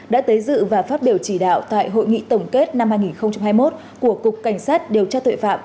đã tới dự và phát biểu chỉ đạo tại hội nghị tổng kết năm hai nghìn hai mươi một của cục cảnh sát điều tra tội phạm